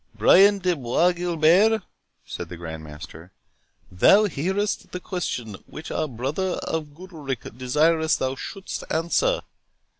"Brian de Bois Guilbert," said the Grand Master, "thou hearest the question which our Brother of Goodalricke desirest thou shouldst answer.